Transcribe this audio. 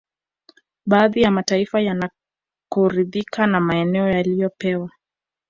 Baadhi ya mataifa hayakuridhika na maeneo waliyopewa